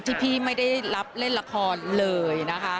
ที่พี่ไม่ได้รับเล่นละครเลยนะคะ